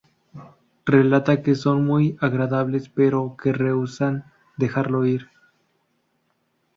Relata que son muy agradables, pero que rehúsan dejarlo ir.